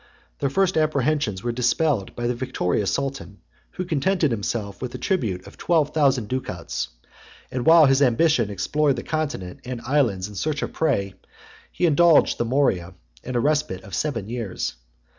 Their first apprehensions were dispelled by the victorious sultan, who contented himself with a tribute of twelve thousand ducats; and while his ambition explored the continent and the islands, in search of prey, he indulged the Morea in a respite of seven years.